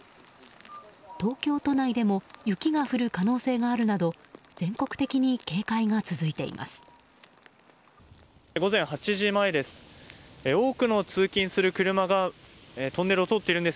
東京都内でも雪が降る可能性があるなど全国的に警戒が続いています。